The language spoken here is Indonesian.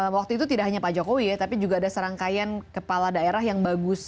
waktu itu tidak hanya pak jokowi ya tapi juga ada serangkaian kepala daerah yang bagus